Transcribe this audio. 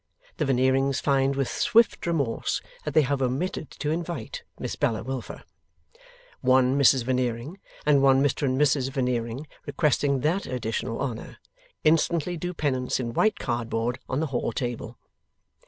The Veneerings find with swift remorse that they have omitted to invite Miss Bella Wilfer. One Mrs Veneering and one Mr and Mrs Veneering requesting that additional honour, instantly do penance in white cardboard on the hall table.